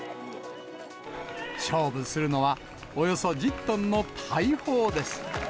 勝負するのは、およそ１０トンの大砲です。